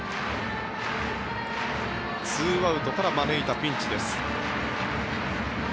２アウトから招いたピンチです。